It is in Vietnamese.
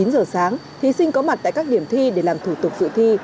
chín giờ sáng thí sinh có mặt tại các điểm thi để làm thủ tục dự thi